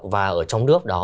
và ở trong nước đó